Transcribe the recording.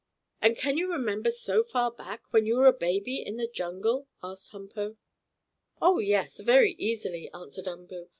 "And can you remember so far back, when you were a baby in the jungle?" asked Humpo. "Oh, yes, very easily," answered Umboo.